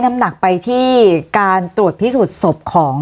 น้ำหนักไปที่การตรวจพิสูจน์ศพของ